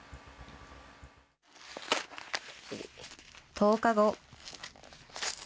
１０日後。